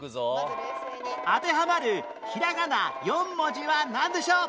当てはまるひらがな４文字はなんでしょう？